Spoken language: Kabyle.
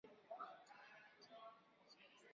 Yumeṛ-d, dɣa yeɣli-d ujrad.